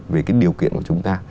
về cái điều kiện của chúng ta